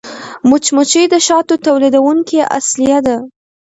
مچمچۍ د شاتو تولیدوونکې اصلیه ده